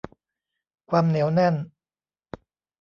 ความเหนียวแน่น